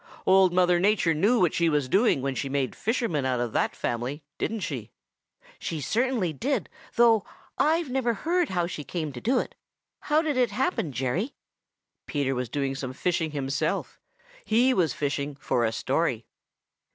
Old Mother Nature knew what she was doing when she made fishermen out of that family, didn't she?" "She certainly did, though I've never heard how she came to do it. How did it happen, Jerry?" Peter was doing some fishing himself. He was fishing for a story.